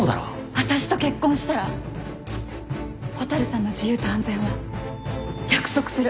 私と結婚したら蛍さんの自由と安全は約束する